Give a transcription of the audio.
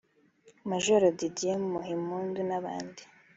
Major Didier Muhimpundu n’abandi